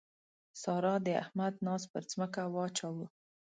سارا د احمد ناز پر ځمکه واچاوو.